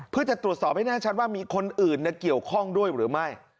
เพื่อจะตรวจสอบให้แน่ชัดว่ามีคนอื่นเกี่ยวข้องด้วยหรือไม่